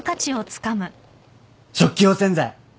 食器用洗剤。